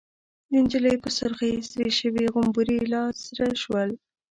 د نجلۍ په سرخۍ سره شوي غومبري لاسره شول.